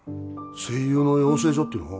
声優の養成所っていうの？